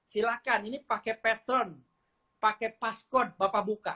silakan ini pakai pattern pakai passcode bapak buka